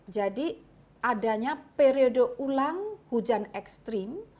jadi adanya periode ulang hujan ekstrim